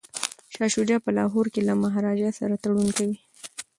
شاه شجاع په لاهور کي له مهاراجا سره تړون کوي.